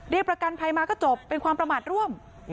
เรียกประกันภัยมาก็จบเป็นความประหมัดร่วม